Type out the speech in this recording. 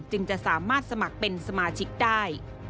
จึงจะสามารถสมัครเป็นสมาชิกได้